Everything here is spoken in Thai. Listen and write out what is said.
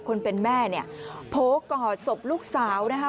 คนเป็นแม่เนี่ยโผล่กอดศพลูกสาวนะคะ